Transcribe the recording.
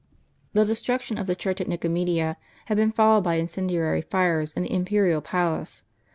The destruction of the church at JSTicomedia had been followed by incendiary fires in the imperial palace.